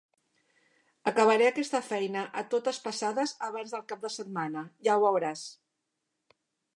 Acabaré aquesta feina a totes passades abans del cap de setmana, ja ho veuràs.